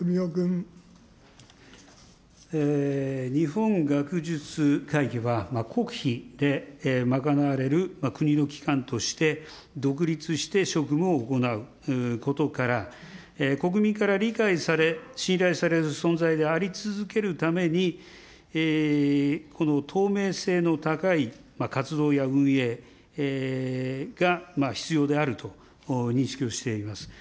日本学術会議は、国費で賄われる国の機関として、独立して職務を行うことから、国民から理解され、信頼される存在であり続けるために、この透明性の高い活動や運営が必要であると認識をしています。